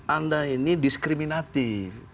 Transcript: anda ini diskriminatif